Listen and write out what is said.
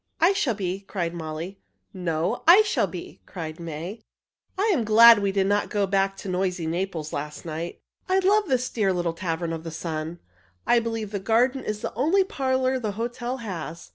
"I shall be!" cried Molly. "No, I shall be!" cried May. "I am glad we didn't go back to noisy Naples last night. I love this dear little 'Tavern of the Sun'! I believe the garden is the only parlor the hotel has.